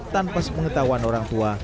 tanpa sepengetahuan orang tua